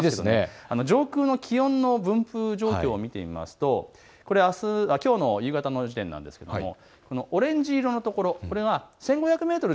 上空の気温の分布状況を見てみますと、これ、きょうの夕方時点なんですけれどもオレンジ色のところ、１５００メートル